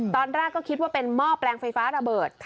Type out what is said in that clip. ตอนแรกก็คิดว่าเป็นหม้อแปลงไฟฟ้าระเบิด